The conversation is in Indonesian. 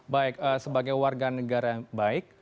baik sebagai warga negara yang baik